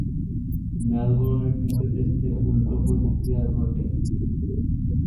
মেলবোর্নের তৃতীয় টেস্টে উল্টো প্রতিক্রিয়া ঘটে।